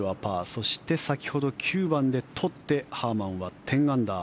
そして先ほど、９番で取ってハーマンは１０アンダー。